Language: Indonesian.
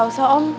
gak usah om